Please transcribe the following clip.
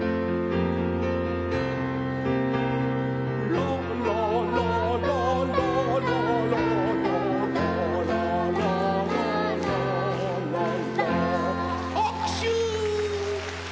ラララララララララララララーララーはくしゅ！